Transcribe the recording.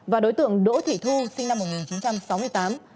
và đối tượng đỗ thị thu sinh năm một nghìn chín trăm sáu mươi tám